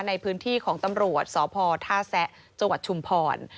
ในพื้นที่ของตำรวจสภท่าแซะจชุมภร